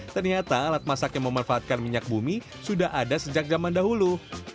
ternyata alat masak yang memanfaatkan minyak bumi sudah ada sejak zaman dahulu